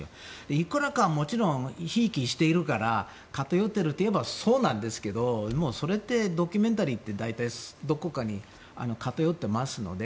いくらかはもちろんひいきしているから偏っていると言えばそうなんですけどそれって、ドキュメンタリーって大体どこかに偏ってますので。